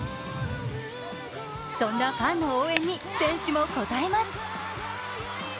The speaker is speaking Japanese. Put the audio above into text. そんなファンの応援に選手も応えます。